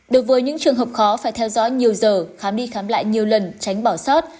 đối với những trường hợp khó phải theo dõi nhiều giờ khám đi khám lại nhiều lần tránh bỏ sót